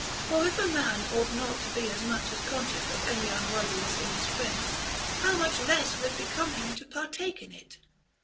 For if a man ought not to be as much as conscious of any unworthiness in his friend, how much less will it become him to partake in it?